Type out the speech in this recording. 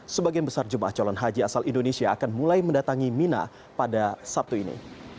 sebagian besar jemaah calon haji asal indonesia akan mulai mendatangi mina pada sabtu ini